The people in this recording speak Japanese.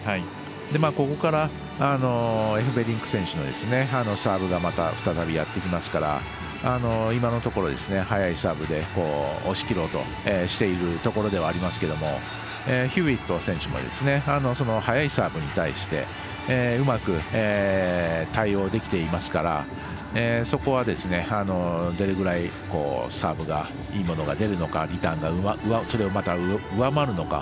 ここから、エフベリンク選手のサーブが再びやってきますから今のところ早いサーブで押し切ろうとしているところではありますけれどもヒューウェット選手も速いサーブに対してうまく対応できていますからそこは、どれぐらいサーブがいいものが出るのかリターンがそれを上回るのか。